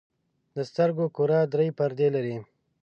د سترګو کره درې پردې لري.